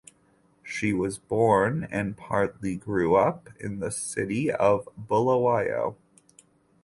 She was born and partly grew up in the city of Bulawayo.